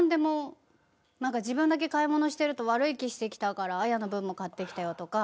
「何か自分だけ買い物してると悪い気してきたから彩の分も買ってきたよ」とか。